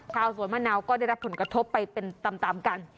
ชาวสวนมะนาวก็ได้รับผลกระทบไปเป็นตามกัน